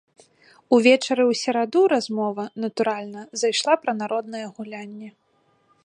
Увечары ў сераду размова, натуральна, зайшла пра народныя гулянні.